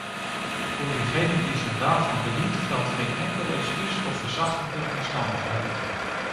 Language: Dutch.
Voor degene die zich daarvan bedient, geldt geen enkel excuus of verzachtende omstandigheid.